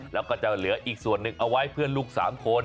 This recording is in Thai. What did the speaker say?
แล้วก็จะเหลืออีกส่วนหนึ่งเอาไว้เพื่อนลูก๓คน